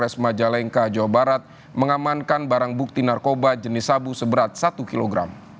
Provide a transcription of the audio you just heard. sekarang bukti narkoba jenis sabu seberat satu kg